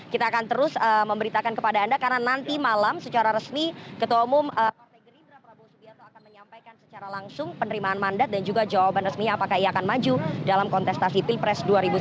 kita akan terus memberitakan kepada anda karena nanti malam secara resmi ketua umum partai gerindra prabowo subianto akan menyampaikan secara langsung penerimaan mandat dan juga jawaban resminya apakah ia akan maju dalam kontestasi pilpres dua ribu sembilan belas